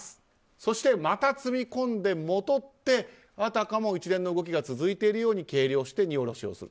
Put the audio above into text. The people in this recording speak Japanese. そして、また積み込んで戻ってあたかも一連の動きが続いているように計量して荷下ろしをする。